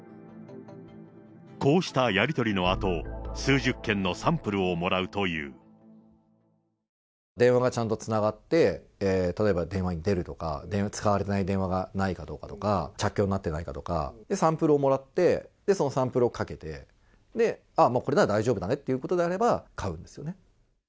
こうしたやり取りのあと、電話がちゃんとつながって、例えば電話に出るとか、使われてない電話がないかどうかとか、着拒になってないかとか、サンプルをもらって、そのサンプルをかけて、ああ、もうこれなら大丈夫だねっていうことであれば、買うんですよね。